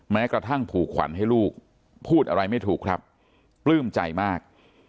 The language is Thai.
แม้กระทั่งผูกขวัญให้ลูกพูดอะไรไม่ถูกครับปลื้มใจมาก